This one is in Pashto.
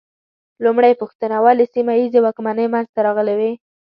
لومړۍ پوښتنه: ولې سیمه ییزې واکمنۍ منځ ته راغلې وې؟